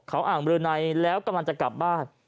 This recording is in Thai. เขาอ่างบรือในแล้วกำลังจะกลับบ้าน